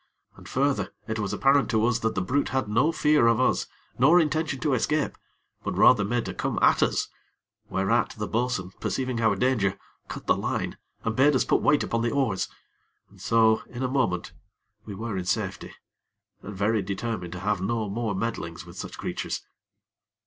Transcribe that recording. And further, it was apparent to us that the brute had no fear of us, nor intention to escape; but rather made to come at us; whereat the bo'sun, perceiving our danger, cut the line, and bade us put weight upon the oars, and so in a moment we were in safety, and very determined to have no more meddlings with such creatures.